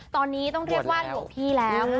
ตอนนี้ต้องเรียกว่าหลวงพี่แล้ว